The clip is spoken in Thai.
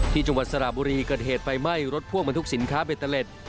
จังหวัดสระบุรีเกิดเหตุไฟไหม้รถพ่วงบรรทุกสินค้าเบตเตอร์เล็ต